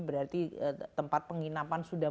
berarti tempat penginapan sudah